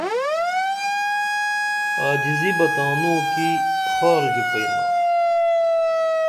عاجزی بہ تانوں کی خار ژوپئیمہ